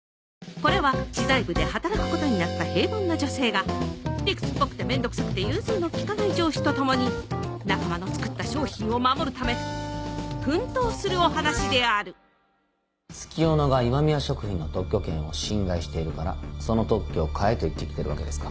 これは知財部で働くことになった平凡な女性が理屈っぽくて面倒くさくて融通の利かない上司と共に仲間の作った商品を守るため奮闘するお話である月夜野が今宮食品の特許権を侵害しているからその特許を買えと言ってきてるわけですか。